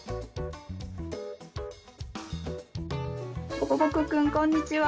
ぼこぼこくんこんにちは。